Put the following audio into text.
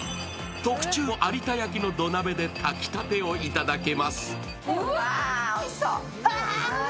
特注の有田焼の土鍋で炊きたてをいただきます。